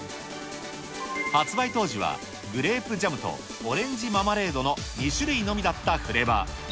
発売当時はグレープジャムとオレンジママレードの２種類のみだったフレーバー。